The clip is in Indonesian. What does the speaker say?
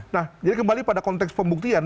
nah jadi kembali pada konteks pembuktian